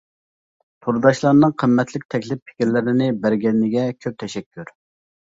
تورداشلارنىڭ قىممەتلىك تەكلىپ پىكىرلىرىنى بەرگىنىگە كۆپ تەشەككۈر.